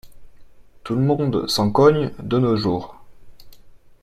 Tout le monde s’en cogne, de nos jours.